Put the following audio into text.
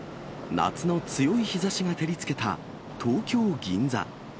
夏の強い日ざしが照りつけた東京・銀座。